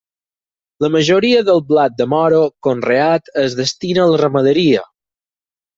La majoria del blat de moro conreat es destina a la ramaderia.